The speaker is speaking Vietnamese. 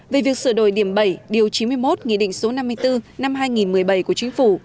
về việc sửa đổi điểm bảy điều chín mươi một nghị định số năm mươi bốn năm hai nghìn một mươi bảy của chính phủ